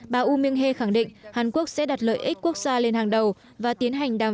bà woo myung hae khẳng định hàn quốc sẽ đặt lợi ích quốc gia lên hàng đầu và tiến hành đàm